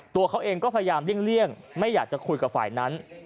ตัวเขาเองก็พยายามเลี่ยงไม่อยากจะคุยกับฝ่ายนั้น